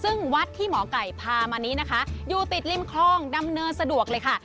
ซึ่งวัดที่หมอไก่พามานี้นะคะอยู่ติดริมคลองดำเนินสะดวกเลยค่ะ